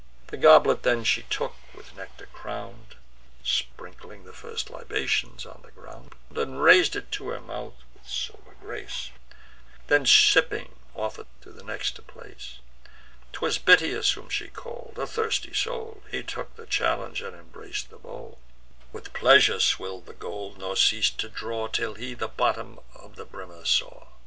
The goblet then she took, with nectar crown'd (Sprinkling the first libations on the ground,) And rais'd it to her mouth with sober grace; Then, sipping, offer'd to the next in place. 'Twas Bitias whom she call'd, a thirsty soul; He took the challenge, and embrac'd the bowl, With pleasure swill'd the gold, nor ceas'd to draw, Till he the bottom of the brimmer saw.